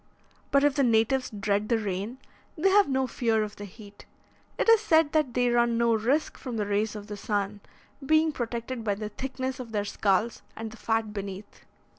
But if the natives dread the rain, they have no fear of the heat. It is said that they run no risk from the rays of the sun, being protected by the thickness of their skulls and the fat beneath.